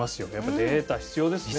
データ必要ですね。